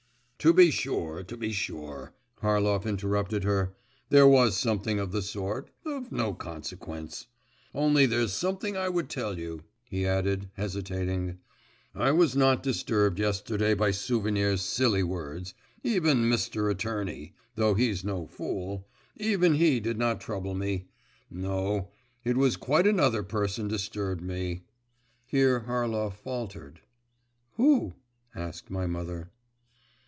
… 'To be sure, to be sure,' Harlov interrupted her, 'there was something of the sort … of no consequence. Only there's something I would tell you,' he added, hesitating 'I was not disturbed yesterday by Souvenir's silly words even Mr. Attorney, though he's no fool even he did not trouble me; no, it was quite another person disturbed me ' Here Harlov faltered. 'Who?' asked my mother.